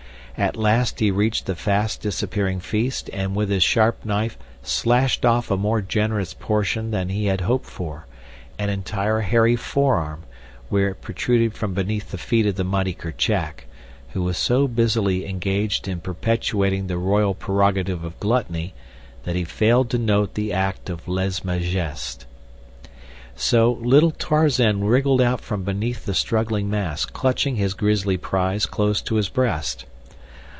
At last he reached the fast disappearing feast and with his sharp knife slashed off a more generous portion than he had hoped for, an entire hairy forearm, where it protruded from beneath the feet of the mighty Kerchak, who was so busily engaged in perpetuating the royal prerogative of gluttony that he failed to note the act of lese majesté. So little Tarzan wriggled out from beneath the struggling mass, clutching his grisly prize close to his breast.